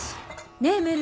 ねぇメル